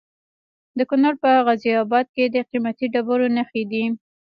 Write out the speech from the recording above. د کونړ په غازي اباد کې د قیمتي ډبرو نښې دي.